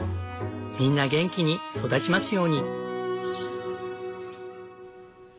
みんな元気に育ちますように。